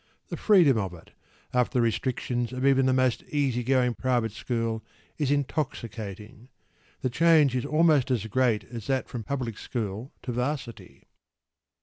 The freedom of it, after the restrictions of even the most easy going private school, is intoxicating.  The change is almost as great as that from public school to ’Varsity.